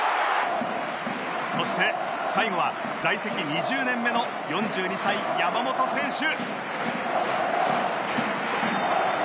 そして最後は在籍２０年目の４２歳山本選手